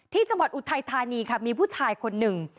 ที่จังหวัดอุทัยธานีค่ะมีผู้ชายคนหนึ่ง